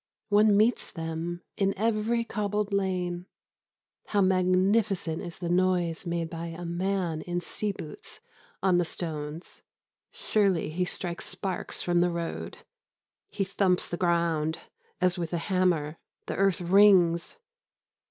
One meets them in every cobbled lane. How magnificent the noise made by a man in sea boots on the stones! Surely, he strikes sparks from the road. He thumps the ground as with a hammer. The earth rings.